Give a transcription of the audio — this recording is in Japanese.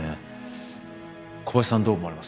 小林さんどう思われますか？